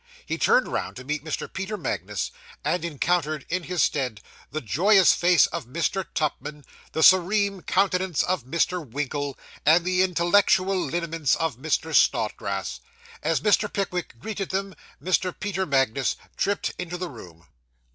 He turned round to meet Mr. Peter Magnus, and encountered, in his stead, the joyous face of Mr. Tupman, the serene countenance of Mr. Winkle, and the intellectual lineaments of Mr. Snodgrass. As Mr. Pickwick greeted them, Mr. Peter Magnus tripped into the room.